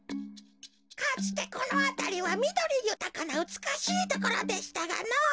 かつてこのあたりはみどりゆたかなうつくしいところでしたがのぉ。